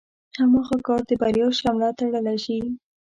هماغه کار د بريا شمله تړلی شي.